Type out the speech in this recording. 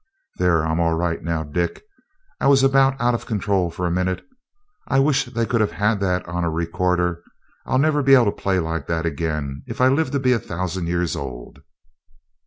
"There I'm all right now, Dick. I was about out of control for a minute. I wish they could have had that on a recorder I'll never be able to play like that again if I live to be a thousand years old."